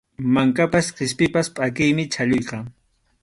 Mankapas qispipas pʼakiymi chhalluyqa.